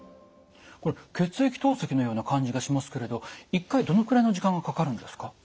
これ血液透析のような感じがしますけれど１回どのくらいの時間がかかるんですか？